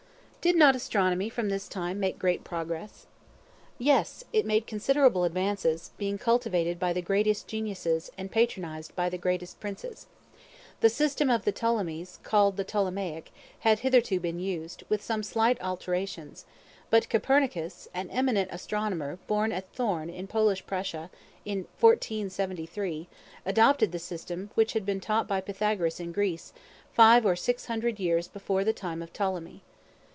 Did not Astronomy from this time make great progress? Yes; it made considerable advances, being cultivated by the greatest geniuses, and patronized by the greatest princes. The system of the Ptolemies, called the Ptolemaic, had hitherto been used, with some slight alterations; but Copernicus, an eminent astronomer, born at Thorn, in Polish Prussia, in 1473, adopted the system which had been taught by Pythagoras in Greece, five or six hundred years before the time of Ptolemy.